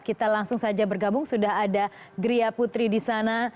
kita langsung saja bergabung sudah ada gria putri di sana